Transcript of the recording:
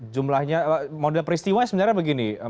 jumlahnya model peristiwa sebenarnya begini